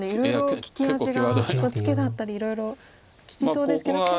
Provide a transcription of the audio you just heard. いろいろ利き味がツケだったりいろいろ利きそうですけど。